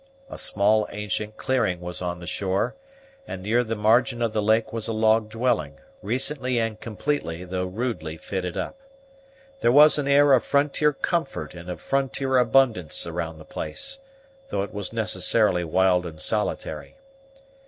A small ancient clearing was on the shore; and near the margin of the lake was a log dwelling, recently and completely, though rudely fitted up. There was an air of frontier comfort and of frontier abundance around the place, though it was necessarily wild and solitary.